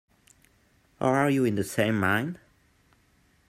Or are you in the same mind?